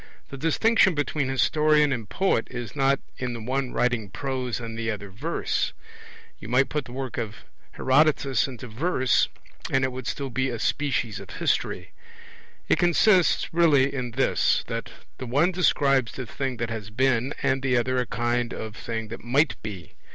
The distinction between historian and poet is not in the one writing prose and the other verse you might put the work of Herodotus into verse, and it would still be a species of history; it consists really in this, that the one describes the thing that has been, and the other a kind of thing that might be.